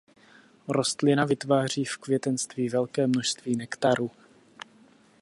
Rostlina vytváří v květenství velké množství nektaru.